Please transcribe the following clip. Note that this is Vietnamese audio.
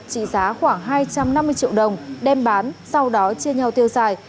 trị giá khoảng hai trăm năm mươi triệu đồng đem bán sau đó chia nhau tiêu xài